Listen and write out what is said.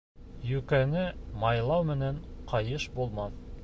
Йүкәне майлау менән ҡайыш булмаҫ.